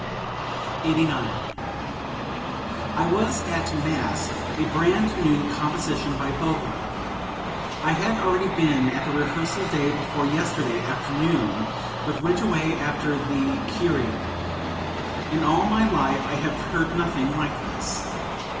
89. "I was at mass, a brand new composition by Vogler. I had already been at the rehearsal day before yesterday afternoon, but went away after the Kyrie. In all my life I have heard nothing like this.